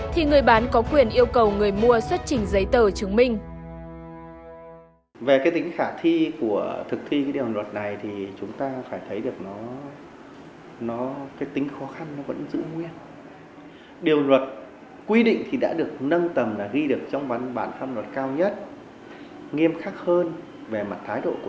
thì người bán có quyền yêu cầu người mua xuất trình giấy dịch vụ